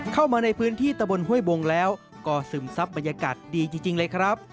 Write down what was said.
เข้ามาในพื้นที่ตะบนห้วยบงแล้วก็ซึมซับบรรยากาศดีจริงเลยครับ